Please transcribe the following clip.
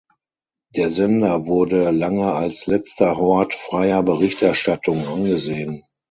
Der Sender wurde lange als letzter Hort freier Berichterstattung angesehen.